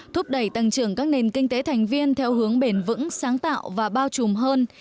thúc đẩy tăng trưởng các nền kinh tế thành viên theo hướng bền vững sáng tạo và bao trùm hơn